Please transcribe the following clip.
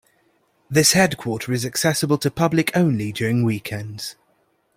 This headquarter is accessible to public only during weekends.